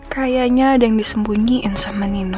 kayaknya ada yang disembunyiin sama nino